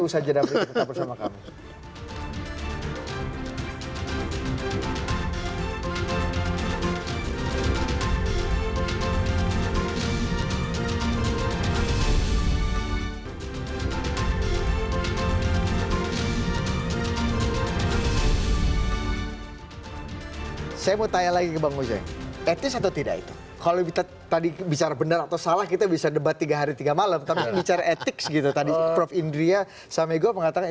usaha jadam riki tetap bersama kami